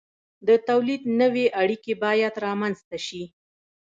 د تولید نوې اړیکې باید رامنځته شي.